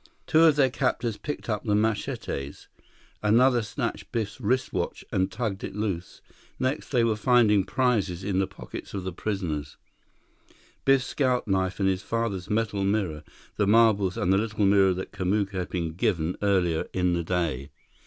Two of their captors picked up the machetes. Another snatched Biff's wrist watch and tugged it loose. Next, they were finding prizes in the pockets of the prisoners: Biff's scout knife and his father's metal mirror; the marbles and the little mirror that Kamuka had been given earlier in the day.